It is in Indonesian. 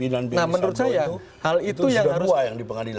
nah menurut saya hal itu yang harus